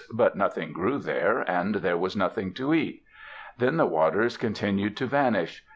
But nothing grew there and there was nothing to eat. Then the waters continued to vanish.